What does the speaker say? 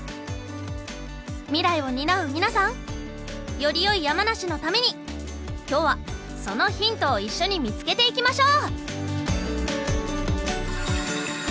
未来を担う皆さん！よりよい山梨のために今日はそのヒントを一緒に見つけていきましょう。